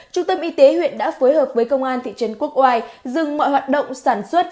trung tâm y tế huyện đã phối hợp với công an thị trấn quốc oai dừng mọi hoạt động sản xuất